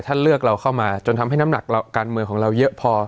เลือกเราเข้ามาจนทำให้น้ำหนักการเมืองของเราเยอะพอ